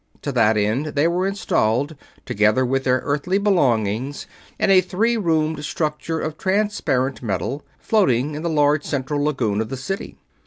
To that end they were installed, together with their Earthly belongings, in a three roomed structure of transparent metal, floating in the large central lagoon of the city.